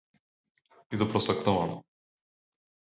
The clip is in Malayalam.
ഇത് പ്രസക്തമാണ്